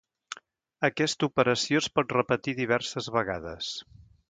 Aquesta operació es pot repetir diverses vegades.